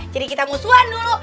jadi kita musuhan dulu